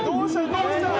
どうしたん？